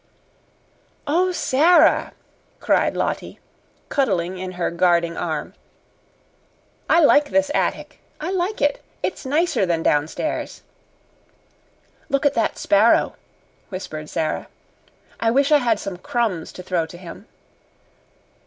"Oh, Sara!" cried Lottie, cuddling in her guarding arm. "I like this attic I like it! It is nicer than downstairs!" "Look at that sparrow," whispered Sara. "I wish I had some crumbs to throw to him."